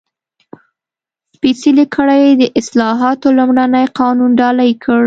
سپېڅلې کړۍ د اصلاحاتو لومړنی قانون ډالۍ کړ.